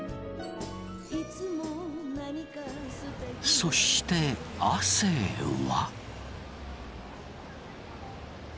そして亜生は。